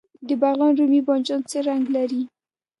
د بغلان رومي بانجان څه رنګ لري؟